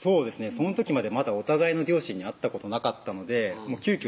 その時までまだお互いの両親に会ったことなかったので急きょ